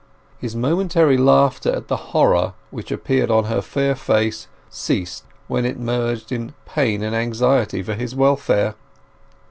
His momentary laughter at the horror which appeared on her fair face ceased when it merged in pain and anxiety for his welfare.